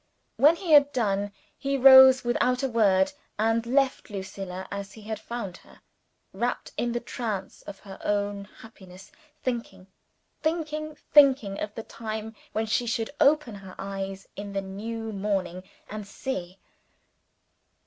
When he had done he rose without a word, and left Lucilla as he had found her, rapt in the trance of her own happiness thinking, thinking, thinking of the time when she should open her eyes in the new morning, and see!